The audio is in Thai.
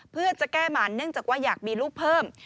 เพื่อจะแก้หมันเนื่องจากว่าอยากมีลูกเพิ่ม